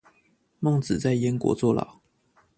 孟子在燕國坐牢